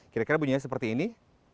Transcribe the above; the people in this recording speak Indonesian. kira kira bunyinya seperti ini